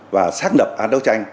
và xác lập án đấu tranh